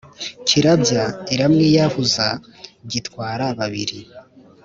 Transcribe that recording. kirabya iramwiyahuza gitwara-babiri.